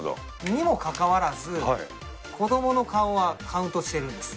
にもかかわらず、子どもの顔はカウントしてるんです。